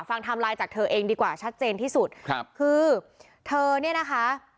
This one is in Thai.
ฟังทำลายจากเธอเองดีกว่าชัดเจนที่สุดคือเธอนี่นะคะ